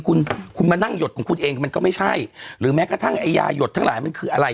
คุณคุณมานั่งหยดของคุณเองมันก็ไม่ใช่หรือแม้กระทั่งไอ้ยาหยดทั้งหลายมันคืออะไร